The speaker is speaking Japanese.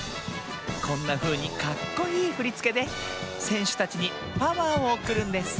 こんなふうにかっこいいふりつけでせんしゅたちにパワーをおくるんです